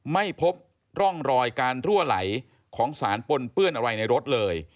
ไม่พบร่องรอยการรั่วไหลของสารปนเปื้อนอะไรในรถเลย